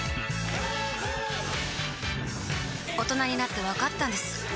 大人になってわかったんです